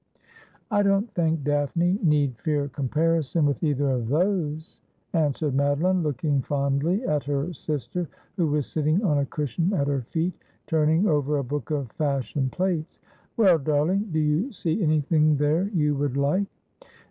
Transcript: ' I don't think Daphne need fear comparison with either of those,' answered Madoline, looking fondly at her sister, who was sitting on a cushion at her feet, turning over a book of fashion plates. ' Well, darling, do you see anything there you would like